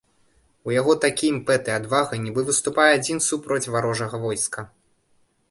У яго такі імпэт і адвага нібы выступае адзін супроць варожага войска.